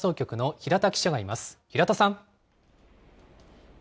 平田さん。